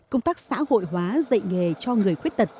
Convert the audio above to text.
công tác xã hội hóa dạy nghề cho người khuyết tật